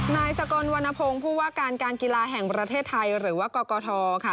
นายสกลวรรณพงศ์ผู้ว่าการการกีฬาแห่งประเทศไทยหรือว่ากกทค่ะ